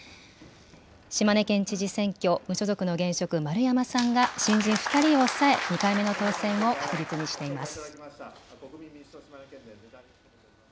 島根県知事選挙、無所属の現職、丸山さんが新人２人を抑え、２回目の当選を確実にしています。